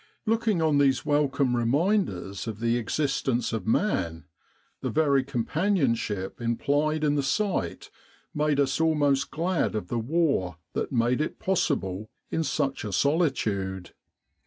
Looking on these welcome reminders of the ex istence of man, the very companionship implied in the sight made us almost glad of the war that made it possible in such a solitude.